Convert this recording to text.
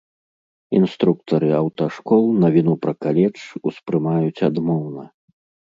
Інструктары аўташкол навіну пра каледж успрымаюць адмоўна.